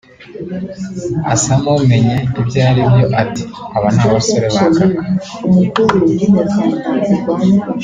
asa n’umenye ibyo ri byo ati “Aba ni abasore ba Kaka’